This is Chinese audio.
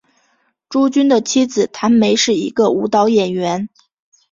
朱军的妻子谭梅是一个舞蹈演员。